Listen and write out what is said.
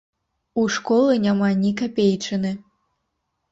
У школы няма ні капейчыны.